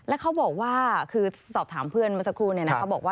และเขาบอกว่าคือสอบถามเพื่อนมาสักครู่เนี่ยนะ